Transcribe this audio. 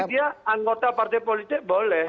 dia anggota partai politik boleh